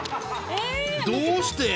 どうして？